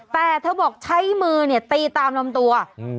แต่เธอบอกใช้มือเนี่ยตีตามลำตัวอืม